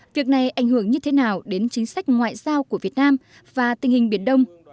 việc này ảnh hưởng như thế nào đến chính sách ngoại giao của việt nam và tình hình biển đông